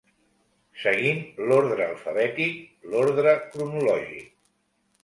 Seguint l'ordre alfabètic, l'ordre cronològic.